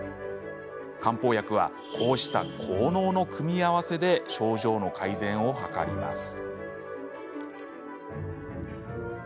漢方薬は、こうした効能の組み合わせで症状の改善を図ります。